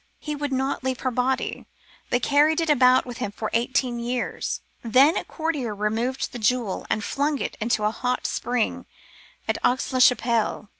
295 Curiosities of Olden Times would not leave her body, but carried it about with him for eighteen years. Then a courtier removed the jewel and flung it into a hot spring at Aix la Chapelle.